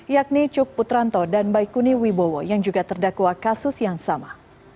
yakni cuk putranto dan baikuni wibowo yang juga terdakwa kasus yang sama